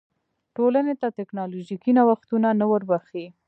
ټولنې ته ټکنالوژیکي نوښتونه نه وربښي.